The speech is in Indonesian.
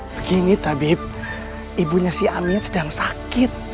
begini tabib ibunya si amin sedang sakit